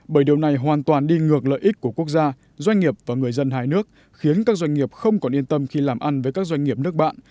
bởi điều này hoàn toàn đi ngược lợi ích của quốc gia doanh nghiệp và người dân hai nước khiến các doanh nghiệp không còn yên tâm khi làm ăn với các doanh nghiệp nước bạn